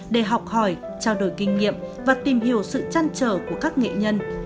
để học hỏi trao đổi kinh nghiệm và tìm hiểu sự chăn trở của các nghệ nhân